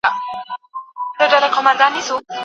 که څوک د بدو کارونو مخنيوی ونه کړي، ايمان يې کمزوری دی.